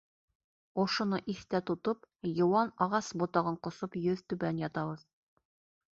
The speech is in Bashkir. Ошоно иҫтә тотоп, йыуан ағас ботағын ҡосоп йөҙ түбән ятабыҙ.